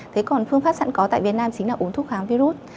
thế còn phương pháp sẵn có tại việt nam chính là uống thuốc kháng virus